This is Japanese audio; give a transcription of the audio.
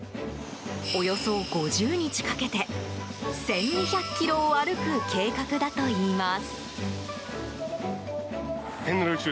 およそ５０日かけて１２００ｋｍを歩く計画だといいます。